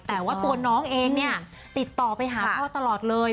แต่ว่าตัวน้องเองเนี่ยติดต่อไปหาพ่อตลอดเลย